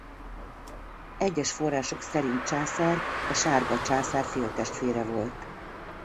Egyes források szerint császár a Sárga Császár féltestvére volt.